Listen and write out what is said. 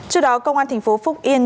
trước đó công an tp phúc yên